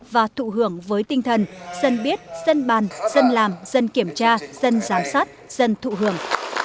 và thụ hưởng với tinh thần dân biết dân bàn dân làm dân kiểm tra dân giám sát dân thụ hưởng